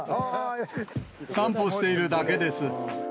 散歩しているだけです。